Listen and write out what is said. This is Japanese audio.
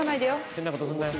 変なことすんなよ。